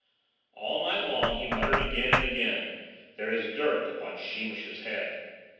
All night long he muttered again and again, "there is dirt upon Sheemish's head."